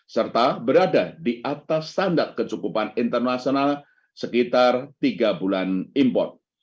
serta berada di atas standar kecukupan internasional sekitar tiga bulan import